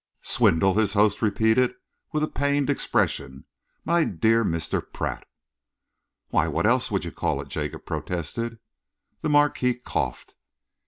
"Swindle?" his host repeated, with a pained expression. "My dear Mr. Pratt!" "Why, what else can you call it?" Jacob protested. The Marquis coughed.